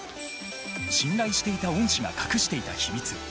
信頼していた恩師が隠していた秘密。